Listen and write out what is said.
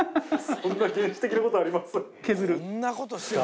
そんな原始的なことあります？